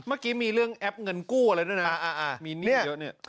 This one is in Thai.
เมื่อกี้มีเรื่องแอปเงินกู้อะไรด้วยนะ